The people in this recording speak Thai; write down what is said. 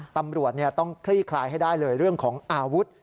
ตำรวจต้องคลี่คลายให้ได้เลยเรื่องของอาวุธ